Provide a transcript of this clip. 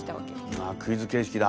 ああクイズ形式だ。